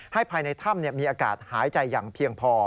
ภายในถ้ำมีอากาศหายใจอย่างเพียงพอ